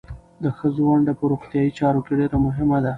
د ښځو ونډه په روغتیايي چارو کې ډېره مهمه ده.